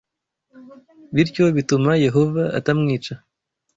bityo bituma Yehova atamwica